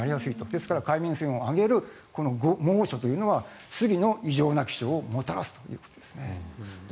ですから、海面水温を上げる猛暑というのは次の異常な気象をもたらすということですね。